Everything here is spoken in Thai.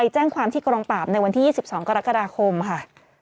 แจ้งความที่กองปราบในวันที่๒๒กรกฎาคมค่ะ